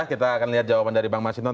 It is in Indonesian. kita akan lihat jawaban dari bang mas hinton